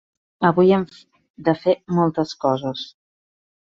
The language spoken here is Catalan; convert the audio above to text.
Avui hem de fer moltes coses.